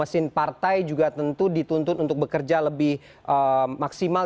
dan kemudian mesin partai juga tentu dituntun untuk bekerja lebih maksimal